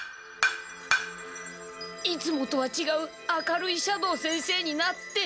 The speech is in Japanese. いつもとはちがう明るい斜堂先生になって。